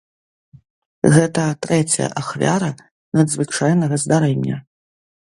Гэта трэцяя ахвяра надзвычайнага здарэння.